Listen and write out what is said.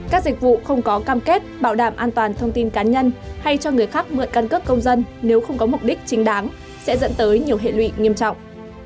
các dịch vụ không có cam kết bảo đảm an toàn thông tin cá nhân hay cho người khác mượn căn cước công dân nếu không có mục đích chính đáng sẽ dẫn tới nhiều hệ lụy nghiêm trọng